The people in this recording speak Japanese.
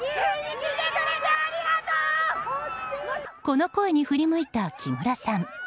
この声に振り向いた木村さん。